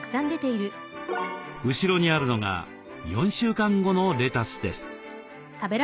後ろにあるのが４週間後のレタスです。